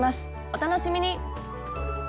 お楽しみに！